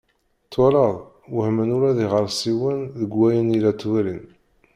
Twalaḍ! Wehmen ula d iɣersiwen deg wayen i la ttwalin.